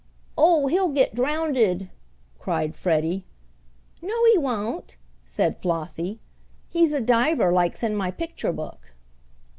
"Oh, he'll get drownded!" cried Freddie. "No, he won't," said Flossie. "He's a diver like's in my picture book."